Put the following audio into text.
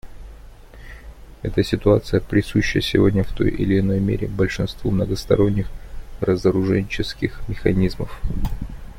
Эта ситуация присуща сегодня в той или иной мере большинству многосторонних разоруженческих механизмов.